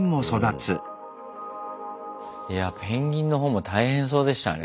いやペンギンのほうも大変そうでしたね。